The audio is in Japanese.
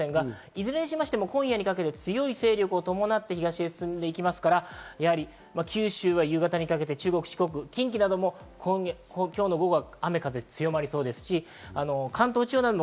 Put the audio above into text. いずれにしても、今夜にかけて強い勢力を伴って東へ進んでいきますから、九州は夕方にかけて中国、四国、近畿なども今日の午後は雨風が強まりそうです。